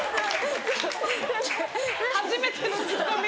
初めてのツッコミ。